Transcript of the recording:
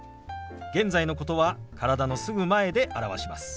現在のことは体のすぐ前で表します。